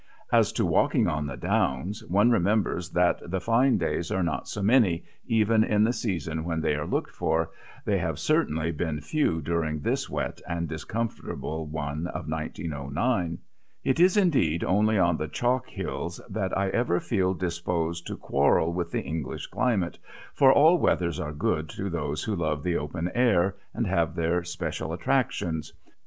As to walking on the downs, one remembers that the fine days are not so many, even in the season when they are looked for they have certainly been few during this wet and discomfortable one of 1909. It is indeed only on the chalk hills that I ever feel disposed to quarrel with this English climate, for all weathers are good to those who love the open air, and have their special attractions.